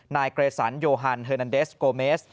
นายเกรสันโยฮันเอร์นันเดสโกเมส